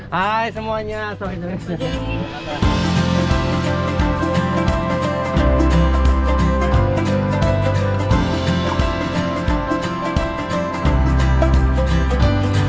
hai semuanya soal indonesia